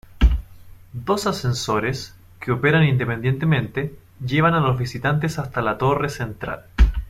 Dos ascensores, que operan independientemente, llevan a los visitantes hasta la torre central.